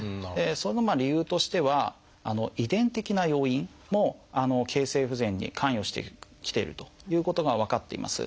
その理由としては遺伝的な要因も形成不全に関与してきているということが分かっています。